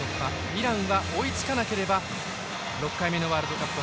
イランは追いつかなければ６回目のワールドカップ